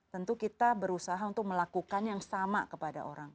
tentu kita berusaha untuk melakukan yang sama kepada orang